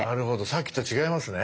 さっきと違いますね。